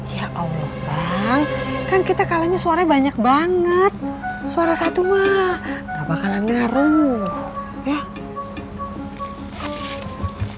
ya allah bang kan kita kalahnya suara banyak banget suara satu mah gak bakalan ngaruh ya